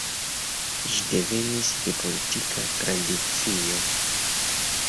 Ĝi devenis de politika tradicio.